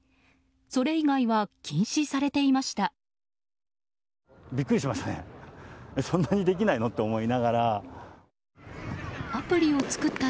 それ以外は、禁止されていました。